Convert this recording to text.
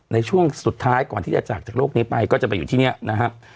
ในช่วงสุดท้ายก่อนที่จะจากจากโลกนี้ไปก็จะไปอยู่ที่นี่นะครับ